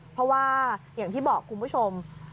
เพราะว่าอย่างที่บอกคุณผู้ชม